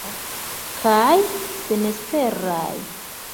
Kaj senesperaj.